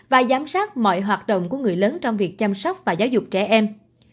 và giám sát mọi hoạt động của người lớn trong việc chăm sóc và giáo dục trẻ em